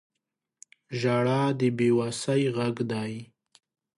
• ژړا د بې وسۍ غږ دی.